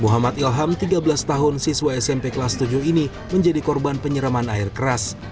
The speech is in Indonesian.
muhammad ilham tiga belas tahun siswa smp kelas tujuh ini menjadi korban penyeraman air keras